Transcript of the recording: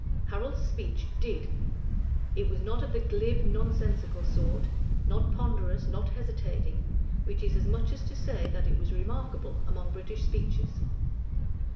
Harold's speech "did": it was not of the glib nonsensical sort, not ponderous, not hesitating which is as much as to say, that it was remarkable among British speeches.